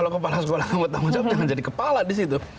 kalau kepala sekolah kamu bertanggung jawab jangan jadi kepala di situ